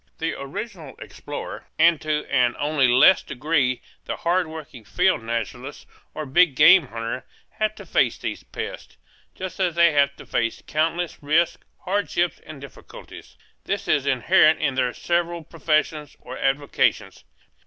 The original explorer, and to an only less degree the hardworking field naturalist or big game hunter, have to face these pests, just as they have to face countless risks, hardships, and difficulties. This is inherent in their several professions or avocations.